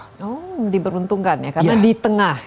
oh diberuntungkan ya karena di tengah ya